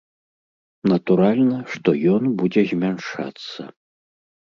Натуральна, што ён будзе змяншацца.